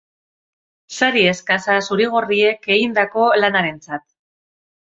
Sari eskasa zuri-gorriek egindako lanarentzat.